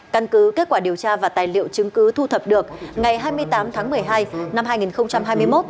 căn cứ kết quả điều tra và tài liệu chứng cứ thu thập được ngày hai mươi tám tháng một mươi hai năm hai nghìn hai mươi một